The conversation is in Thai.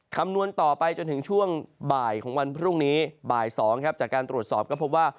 คำนวณต่อไปจนถึงช่วงบ่ายของวันพรุ่งนี้บ่าย๒ครับจากการตรวจสอบก็พบว่า